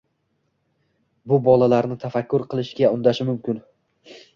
bu bolalarni tafakkur qilishga undashi mumkin.